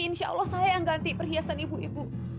insya allah saya yang ganti perhiasan ibu ibu